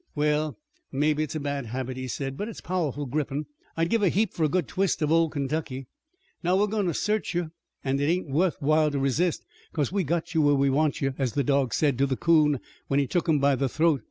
"Well, mebbe it's a bad habit," he said, "but it's powerful grippin'. I'd give a heap for a good twist of old Kentucky. Now we're goin' to search you an' it ain't wuth while to resist, 'cause we've got you where we want you, as the dog said to the 'coon when he took him by the throat.